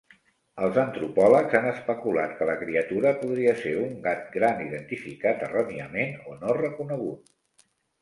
Els antropòlegs han especulat que la criatura podria ser un gat gran identificat erròniament o no reconegut.